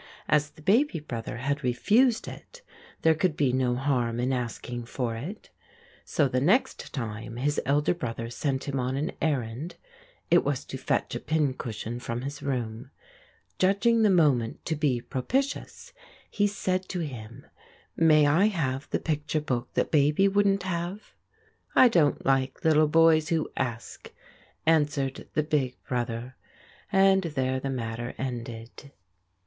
As the baby brother had refused it there could be no harm in asking for it, so the next time his elder brother sent him on an errand (it was to fetch a pin cushion from his room) judging the moment to be propitious, he said to him: "May I have the picture book that baby wouldn't have?" "I don't like little boys who ask," answered the big brother, and there the matter ended.